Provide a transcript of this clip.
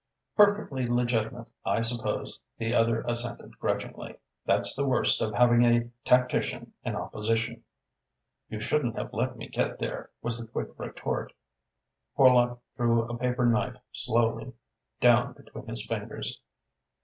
"Perfectly legitimate, I suppose," the other assented grudgingly. "That's the worst of having a tactician in opposition." "You shouldn't have let me get there," was the quick retort. Horlock drew a paper knife slowly down between his fingers.